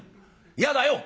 嫌だよ」。